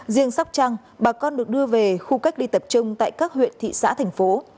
riêng sóc trăng bà con được đưa về khu cách ly tập trung tại các huyện thị xã thành phố